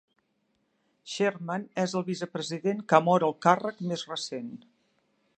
Sherman és el vicepresident que ha mort al càrrec més recent.